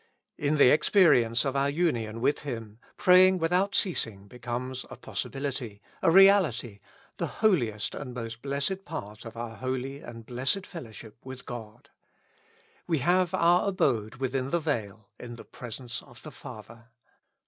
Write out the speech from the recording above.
In the experience of our union with Him, praying without ceasing becomes a possibility, a reality, the holiest and most blessed part of our holy and blessed fellowship with God. We have our abode within the veil, in the presence of the Father.